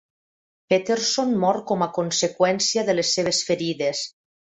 Peterson mor com a conseqüència de les seves ferides.